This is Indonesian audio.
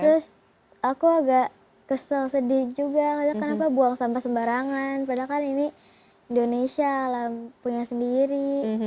terus aku agak kesel sedih juga kenapa buang sampah sembarangan padahal kan ini indonesia lah punya sendiri